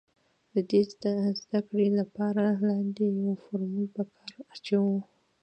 د دې د زده کړې له پاره لاندې يو فورمول په کار اچوو